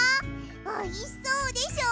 おいしそうでしょ。